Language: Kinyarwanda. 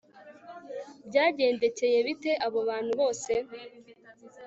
byagendekeye bite abo bantu bose